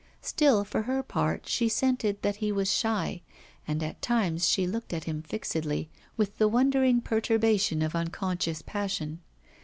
Still for her part she scented that he was shy, and at times she looked at him fixedly, with the wondering perturbation of unconscious passion.